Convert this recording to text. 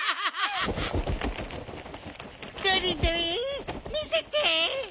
どれどれみせて！